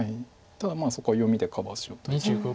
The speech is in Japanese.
ただそこは読みでカバーしようという。